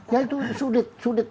ya itu sudut sudut